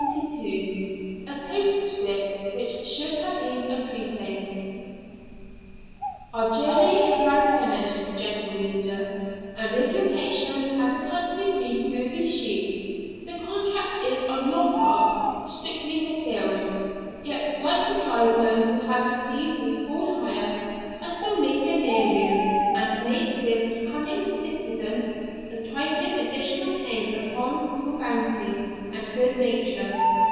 CHAPTER LXXII A POSTSCRIPT WHICH SHOULD HAVE BEEN A PREFACE Our journey is now finished, gentle reader; and if your patience has accompanied me through these sheets, the contract is, on your part, strictly fulfilled. Yet, like the driver who has received his full hire, I still linger near you, and make, with becoming diffidence, a trifling additional claim upon your bounty and good nature.